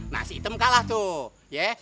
nah si item kalah tuh